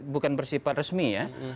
bukan bersifat resmi ya